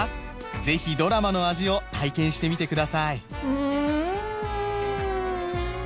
ぜひドラマの味を体験してみてくださいうん！